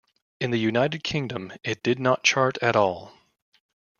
In the United Kingdom, it did not chart at all.